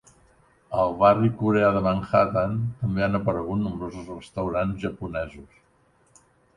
Al barri coreà de Manhattan també han aparegut nombrosos restaurants japonesos.